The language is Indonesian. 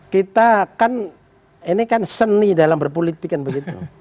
kita kan ini kan seni dalam berpolitik kan begitu